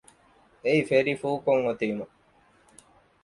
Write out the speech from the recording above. އެއީ ފެރީ ފުލްކޮށް އޮތީމަ